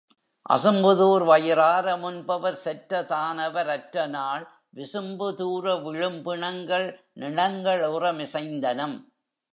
அசும்புதூர்வயி றாரமுன்பவர் செற்றதானவர் அற்றநாள் விசும்புதூர விழும்பிணங்கள் நிணங்களுற மிசைந்தனம்.